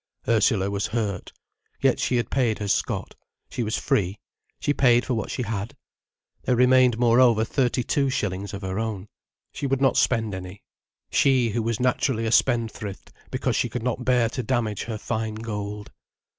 Ursula was hurt. Yet she had paid her scot. She was free. She paid for what she had. There remained moreover thirty two shillings of her own. She would not spend any, she who was naturally a spendthrift, because she could not bear to damage her fine gold.